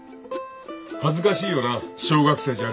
恥ずかしいよな小学生じゃあるまいし。